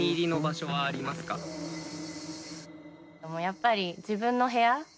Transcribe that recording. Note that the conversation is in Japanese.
やっぱり自分の部屋。